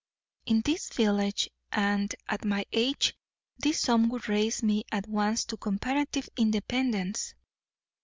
In this village and at my age this sum would raise me at once to comparative independence.